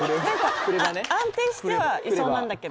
安定してはいそうなんだけど。